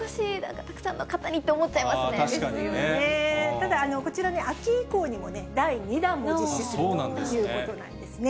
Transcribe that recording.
ただ、こちら、秋以降にも第２弾も実施するということなんですね。